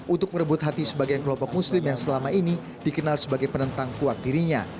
untuk merebut hati sebagian kelompok muslim yang selama ini dikenal sebagai penentang kuat dirinya